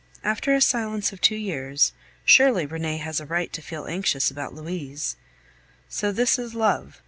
After a silence of two years, surely Renee has a right to feel anxious about Louise. So this is love!